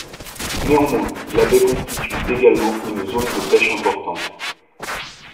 Néanmoins, la baie constitue également une zone de pêche importante.